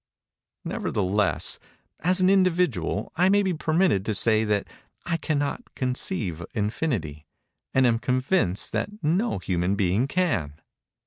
Nevertheless, as an individual, I may be permitted to say that I cannot conceive Infinity, and am convinced that no human being can.